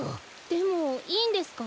でもいいんですか？